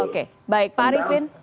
oke baik pak arifin